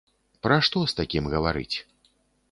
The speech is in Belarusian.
Пра што з такім гаварыць?